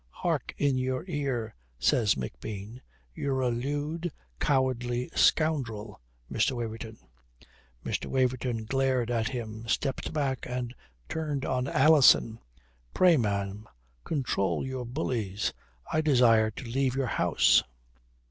"Hark in your ear," says McBean. "You're a lewd, cowardly scoundrel, Mr. Waverton." Mr. Waverton glared at him, stepped back and turned on Alison. "Pray, ma'am, control your bullies. I desire to leave your house!"